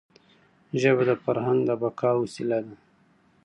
ژبه د فرهنګ د بقا وسیله ده.